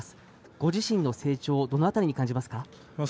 ご自身の成長をどの辺りに感じますか？